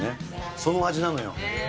その味なのよ。